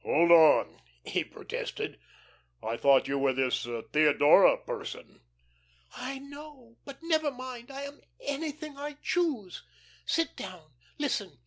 "Hold on," he protested. "I thought you were this Theodora person." "I know but never mind. I am anything I choose. Sit down; listen.